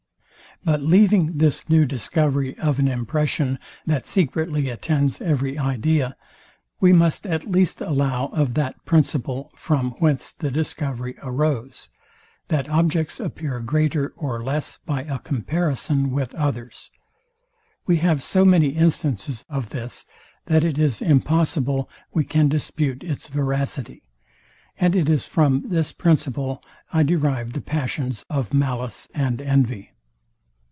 But leaving this new discovery of an impression, that secretly attends every idea; we must at least allow of that principle, from whence the discovery arose, that objects appear greater or less by a comparison with others. We have so many instances of this, that it is impossible we can dispute its veracity; and it is from this principle I derive the passions of malice and envy.